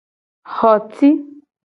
Xo ci.